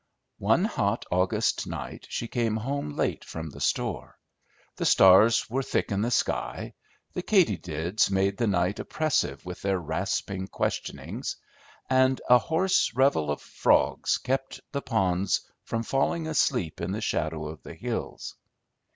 One hot August night she came home late from the store. The stars were thick in the sky; the katydids made the night oppressive with their rasping questionings, and a hoarse revel of frogs kept the ponds from falling asleep in the shadow of the hills.